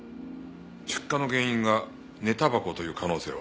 出火の原因が寝タバコという可能性は？